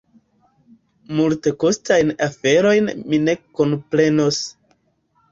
Multekostajn aferojn mi ne kunprenos.